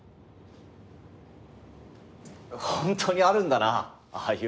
本当にあるんだなあ